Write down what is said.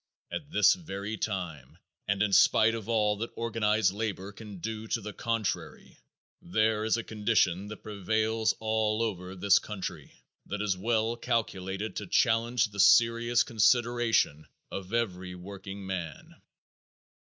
At this very time, and in spite of all that organized labor can do to the contrary, there is a condition that prevails all over this country that is well calculated to challenge the serious consideration of every workingman.